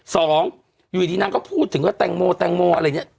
สองอยู่ดีนางก็พูดถึงว่าแตงโมแตงโมอะไรเนี่ย